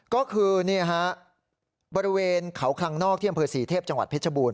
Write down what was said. ก็คือบริเวณเขาคลังนอกที่อำเภอศรีเทพจังหวัดเพชรบูรณ